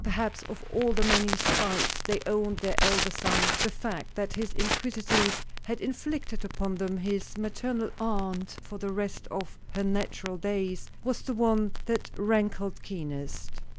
Perhaps of all the many spites they owed their elder son, the fact that his iniquities had inflicted upon them his maternal aunt for the rest of her natural days, was the one that rankled keenest.